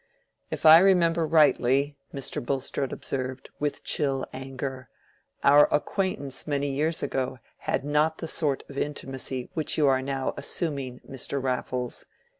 "If I remember rightly," Mr. Bulstrode observed, with chill anger, "our acquaintance many years ago had not the sort of intimacy which you are now assuming, Mr. Raffles.